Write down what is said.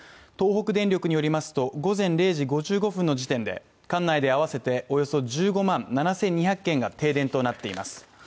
東北電力によりますと、午前０時５５分の時点で、管内で合わせておよそ１５万７２００軒が停電となっています。